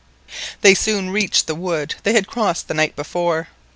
They soon reached the wood they had crossed the night before.